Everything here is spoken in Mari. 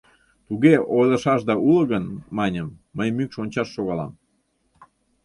— Туге ойлышашда уло гын, маньым, мый мӱкш ончаш шогалам.